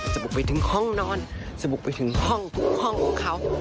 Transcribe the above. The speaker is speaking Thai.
จะบุกไปถึงห้องนอนจะบุกไปถึงห้องของเขา